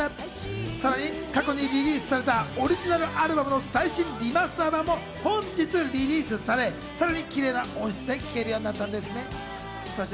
さらに、過去にリリースされたオリジナルアルバムの最新リマスター盤も本日リリースされ、さらにキレイな音質で聴けるようになったんですね。